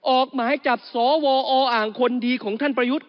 ออกหมายจับสวออ่างคนดีของท่านประยุทธ์